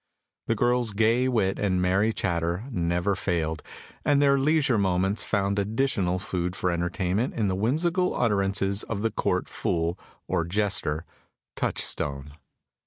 The girls' gay wit and merry chatter never failed, and their leisure moments found additional food for entertainment in the whimsical utterances of the Court fool, or jester, Touchstone.